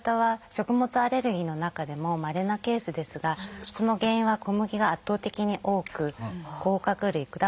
食物アレルギーの中でもまれなケースですがその原因は小麦が圧倒的に多く甲殻類果物などがそれに続きます。